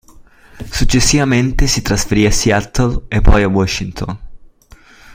Successivamente si trasferì a Seattle e poi a Washington.